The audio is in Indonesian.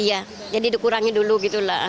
iya jadi dikurangi dulu gitu lah